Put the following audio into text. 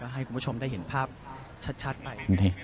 ให้คุณผู้ชมได้เห็นภาพชัดไป